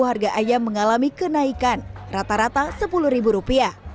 harga ayam mengalami kenaikan rata rata rp sepuluh